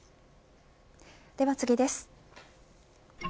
では次です。